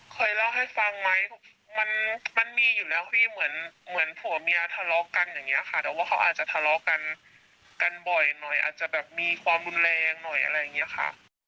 เคยเล่าให้ฟังไหมมันมีอยู่แล้วพี่เหมือนผัวเมียทะเลาะกันอย่างนี้ค่ะแต่ว่าเขาอาจจะทะเลาะกันกันบ่อยหน่อยอาจจะแบบมีความรุนแรงหน่อยอะไรอย่างนี้ค่ะ